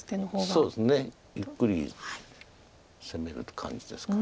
そうですねゆっくり攻める感じですか。